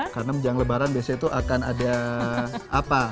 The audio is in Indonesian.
karena menjaga lebaran biasanya itu akan ada apa